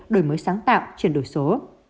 đổi mới sáng tạo chuyển đổi số